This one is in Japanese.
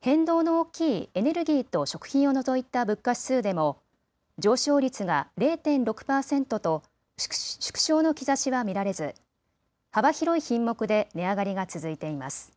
変動の大きいエネルギーと食品を除いた物価指数でも上昇率が０．６％と縮小の兆しは見られず幅広い品目で値上がりが続いています。